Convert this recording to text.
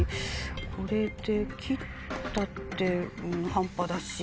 これで「木」ったって半端だし。